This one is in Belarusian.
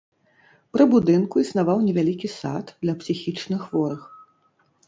Пры будынку існаваў невялікі сад для псіхічнахворых.